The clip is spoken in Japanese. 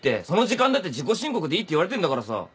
その時間だって自己申告でいいって言われてんだからさ。